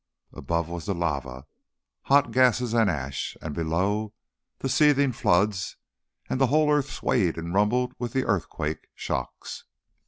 Above was the lava, hot gases and ash, and below the seething floods, and the whole earth swayed and rumbled with the earthquake shocks.